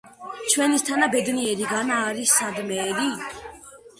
ჩვენისთანა ბედნიერი განა არის სადმე ერი?